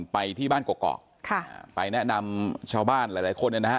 ไปที่บ้านกรกอกไปแนะนำชาวบ้านหลายคนนะฮะ